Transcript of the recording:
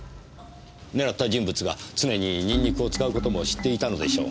狙った人物が常にニンニクを使う事も知っていたのでしょう。